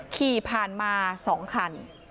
ขี่ผ่านมา๒คัน